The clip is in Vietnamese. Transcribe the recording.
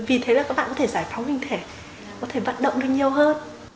vì thế là các bạn có thể giải phóng hình thể có thể vận động được nhiều hơn